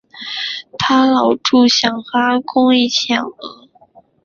她老著想和阿公一起养鹅